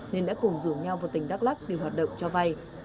nên đã cùng rủ nhau vào tỉnh đắk lắc để hoạt động cho vay